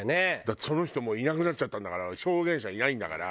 その人もういなくなっちゃったんだから証言者いないんだから。